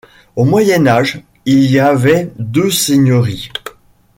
Au Moyen-Âge il y avait deux seigneuries.